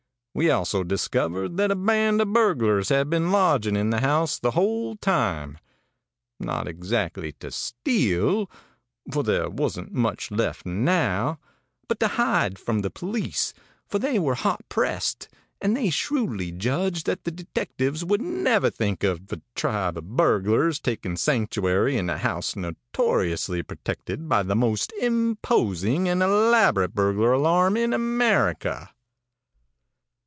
We also discovered that a band of burglars had been lodging in the house the whole time not exactly to steal, for there wasn't much left now, but to hide from the police, for they were hot pressed, and they shrewdly judged that the detectives would never think of a tribe of burglars taking sanctuary in a house notoriously protected by the most imposing and elaborate burglar alarm in America.